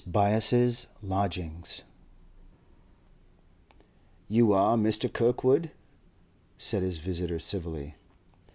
BYASS'S LODGINGS 'You are Mr. Kirkwood?' said his visitor civilly.